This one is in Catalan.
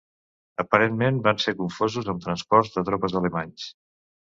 Aparentment van ser confosos amb transports de tropes alemanys.